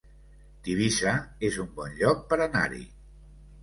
Tivissa es un bon lloc per anar-hi